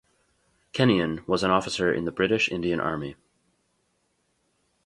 Kennion was an officer in the British Indian Army.